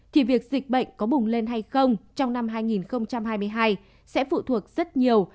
thì việc dịch bệnh có bùng lên hay không trong năm hai nghìn hai mươi hai sẽ phụ thuộc rất nhiều